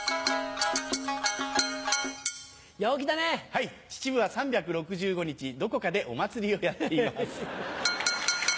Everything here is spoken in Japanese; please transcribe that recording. はい秩父は３６５日どこかでお祭りをやっています。